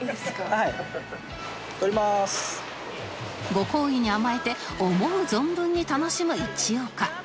ご厚意に甘えて思う存分に楽しむ一岡